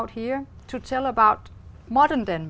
thì có thể bỏ qua một ít đó